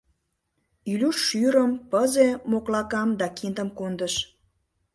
Илюш шӱрым, пызе моклакам да киндым кондыш.